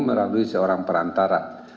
melalui seorang perantara